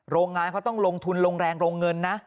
โรงงานเขาต้องลงทุนลงแรงโรงเงินนะ